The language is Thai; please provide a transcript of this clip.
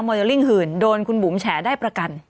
เลอลิ่งหื่นโดนคุณบุ๋มแฉได้ประกัน